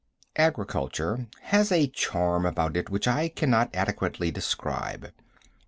Agriculture has a charm about it which I can not adequately describe.